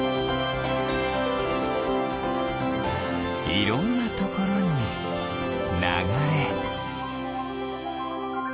いろんなところにながれ。